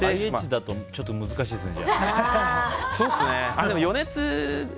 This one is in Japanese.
ＩＨだとちょっと難しいですね。